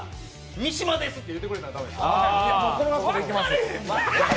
三島ですって言ってくれたらええねん。